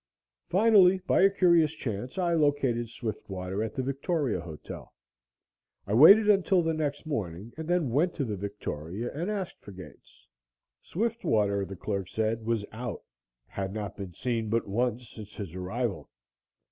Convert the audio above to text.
Finally, by a curious chance I located Swiftwater at the Victoria Hotel. I waited until the next morning and then went to the Victoria and asked for Gates. Swiftwater, the clerk said, was out had not been seen but once since his arrival.